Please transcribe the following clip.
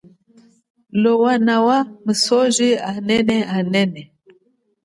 Nolowa misoji anene anene.